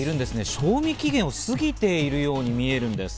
賞味期限が過ぎているように見えるんです。